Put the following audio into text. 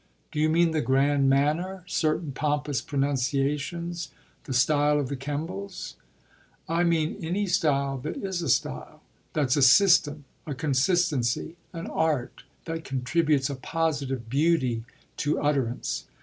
"Do you mean the grand manner, certain pompous pronunciations, the style of the Kembles?" "I mean any style that is a style, that's a system, a consistency, an art, that contributes a positive beauty to utterance.